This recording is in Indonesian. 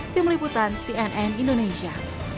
tim liputan cnn indonesia